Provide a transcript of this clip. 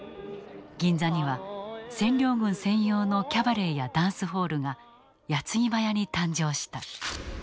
銀座には占領軍専用のキャバレーやダンスホールが矢継ぎ早に誕生した。